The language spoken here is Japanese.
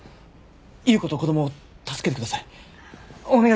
裕子と子供を助けてください。